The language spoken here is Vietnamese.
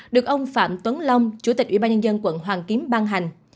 được ông phạm tuấn long chủ tịch ubnd quận hoàng kiếm ban hành